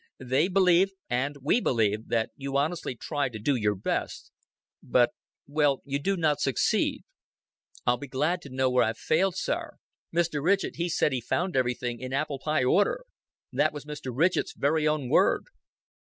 They believe and we believe that you honestly try to do your best; but, well, you do not succeed." "I'd be glad to know where I've failed, sir. Mr. Ridgett, he said he found everything in apple pie order. That was Mr. Ridgett's very own word."